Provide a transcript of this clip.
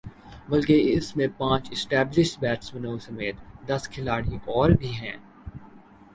بلکہ اس میں پانچ اسپیشلسٹ بیٹسمینوں سمیت دس کھلاڑی اور بھی ہیں